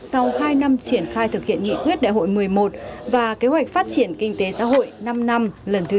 sau hai năm triển khai thực hiện nghị quyết đại hội một mươi một và kế hoạch phát triển kinh tế xã hội năm năm lần thứ sáu